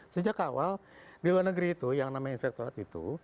sejak awal di luar negeri itu yang namanya infektor itu